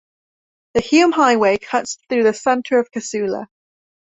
The Hume Highway cuts through the centre of Casula.